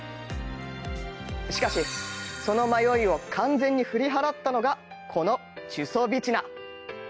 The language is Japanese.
しかし、その迷いを完全に振り払ったのがこのチュソビチナ。